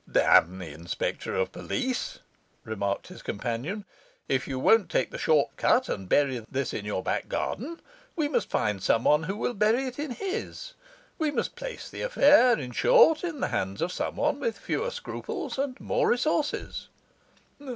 'Damn the inspector of police!' remarked his companion. 'If you won't take the short cut and bury this in your back garden, we must find some one who will bury it in his. We must place the affair, in short, in the hands of some one with fewer scruples and more resources.